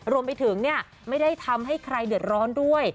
รวมไปถึงไม่ได้ทำให้ใครเดือดร้อนด้วย